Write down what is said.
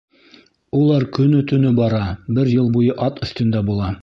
Улар көнө-төнө бара, бер йыл буйы ат өҫтөндә була.